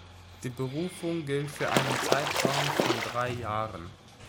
Die Berufung gilt für einen Zeitraum von drei Jahren.